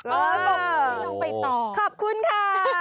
เออต้องไปต่อขอบคุณค่ะ